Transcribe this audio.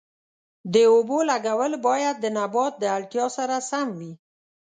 د اوبو لګول باید د نبات د اړتیا سره سم وي.